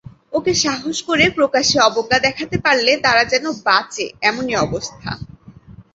ওকে সাহস করে প্রকাশ্যে অবজ্ঞা দেখাতে পারলে তারা যেন বাঁচে এমনি অবস্থা।